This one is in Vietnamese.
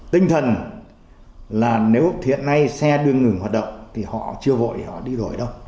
tinh thần là nếu hiện nay xe đưa ngừng hoạt động thì họ chưa vội họ đi đổi đâu